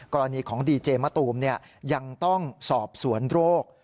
กรณีของดีเจมะตูมยังต้องสอบสวนโรค